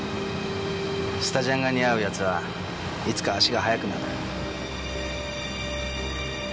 スタジャンが似合う奴はいつか足が速くなる。